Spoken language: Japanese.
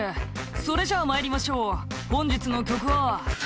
「それじゃあまいりましょう本日の曲は」